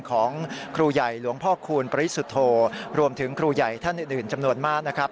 ของครูใหญ่หลวงพ่อคูณปริสุทธโธรวมถึงครูใหญ่ท่านอื่นจำนวนมากนะครับ